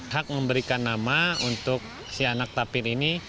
hak memberikan nama untuk si anak tapir ini